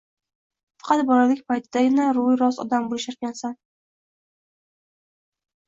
Faqat bolalik paytingdagina ro‘yi rost odam bo‘larkansan